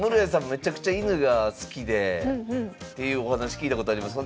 めちゃくちゃ犬が好きでっていうお話聞いたことあります。